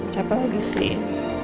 siapa lagi sih